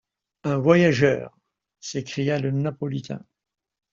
Un voyageur! s’écria le Napolitain.